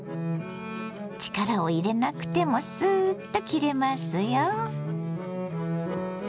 力を入れなくてもスーッと切れますよ。